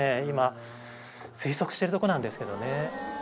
今推測してるとこなんですけどね